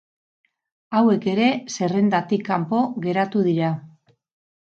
Hauek ere zerrendatik kanpo geratu dira.